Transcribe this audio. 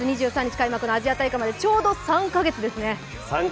開幕のアジア大会までちょうど３か月ですね。